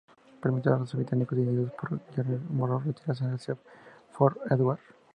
Permitió a los británicos dirigidos por George Monro retirarse hacia Fort Edward.